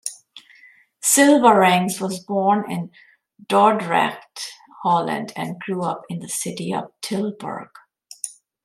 Cilvaringz was born in Dordrecht, Holland and grew up in the city of Tilburg.